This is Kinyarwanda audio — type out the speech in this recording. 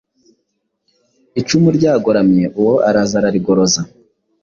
Icumu ryagoramye uwo araza ararigororoza.